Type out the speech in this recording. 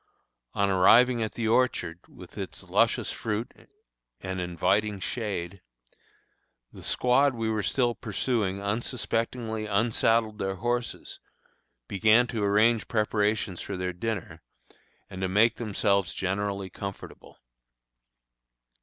On arriving at the orchard, with its luscious fruit and inviting shade, the squad we were still pursuing unsuspectingly unsaddled their horses, began to arrange preparations for their dinner, and to make themselves generally comfortable.